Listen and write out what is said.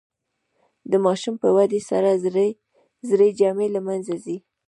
د ماشوم په ودې سره زړې جامې له منځه ځي.